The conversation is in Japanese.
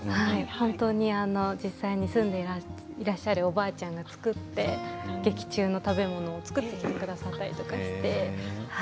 実際に住んでいらっしゃるおばあちゃんが作って劇中の食べ物を作って来てくださったりとかして。